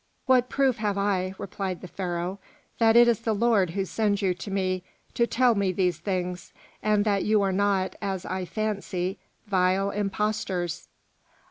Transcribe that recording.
"What proof have I," replied the Pharaoh, "that it is the Lord who sends you to me to tell me these things, and that you are not, as I fancy, vile impostors?"